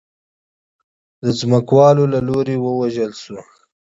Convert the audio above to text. د ځمکوالو له لوري ووژل شو.